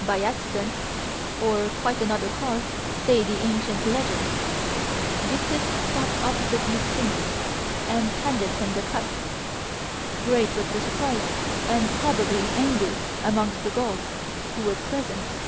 By accident, or quite another cause, say the ancient legends, Gyptis stopped opposite Euxenes, and handed him the cup. Great was the surprise, and, probably, anger amongst the Gauls who were present.